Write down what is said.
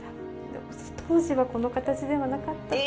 当時はこの形ではなかったかも。